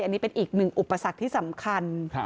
อันนี้เป็นอีกหนึ่งอุปสรรคที่สำคัญ